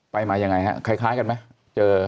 ไปมายังไงฮะคล้ายกันไหม